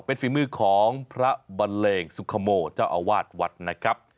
เป็นฝีมือของพระบันเลงสุขโมเจ้าอาวาสวัดนะครับ